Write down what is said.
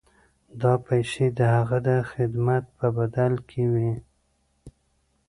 دا پیسې د هغه د خدمت په بدل کې وې.